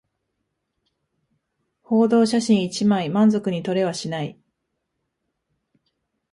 報道写真一枚満足に撮れはしない